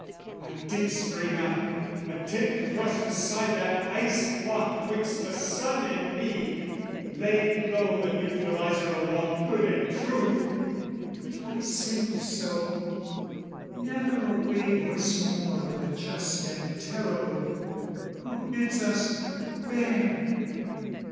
I did spring up, attempt to thrust aside That ice block 'twixt the sun and me, lay low The neutraliser of all good and truth. If I sinned so, never obey voice more O' the Just and Terrible, who bids us "Bear!"